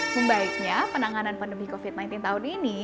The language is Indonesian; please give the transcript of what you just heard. membaiknya penanganan pandemi covid sembilan belas tahun ini